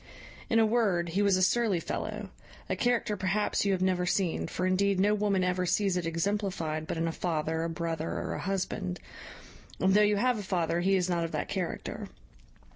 In a word, he was a surly fellow, a character perhaps you have never seen; for, indeed, no woman ever sees it exemplified but in a father, a brother, or a husband; and, though you have a father, he is not of that character.